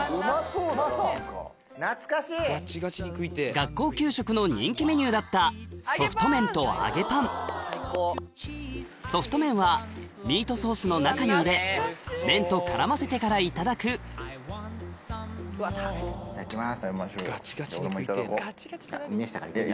学校給食の人気メニューだったソフト麺はミートソースの中に入れ麺と絡ませてからいただくいただきます。